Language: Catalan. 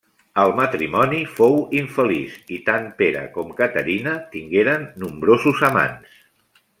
El matrimoni fou infeliç i tant Pere com Caterina tingueren nombrosos amants.